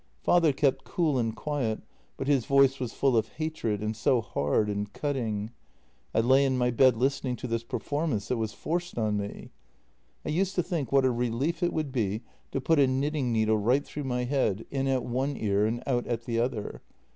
Father kept cool and quiet, but his voice was full of hatred and so hard and cutting. I lay in my bed listening to this performance that was forced on me. I used to think what a relief it would be to put a knitting needle right through my head, in at one ear and out at the other.